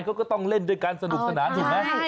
เขาก็ต้องเล่นด้วยกันสนุกสนานถูกไหม